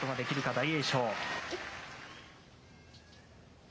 大栄翔。